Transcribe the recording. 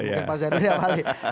mungkin pak zaiduli yang paling